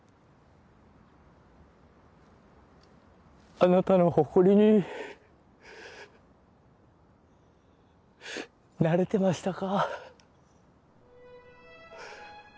あなたの誇りになれてましたか？